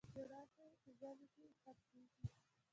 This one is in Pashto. جراپي په ژمي کي خرڅیږي.